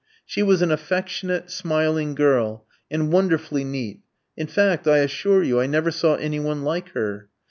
She was an affectionate, smiling girl, and wonderfully neat. In fact, I assure you, I never saw any one like her.